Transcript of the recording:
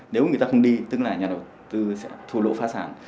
nếu người ta không đi tức là nhà đầu tư sẽ thu lộ phá sản